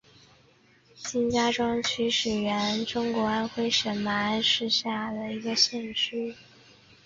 金家庄区原是中国安徽省马鞍山市下辖的一个区。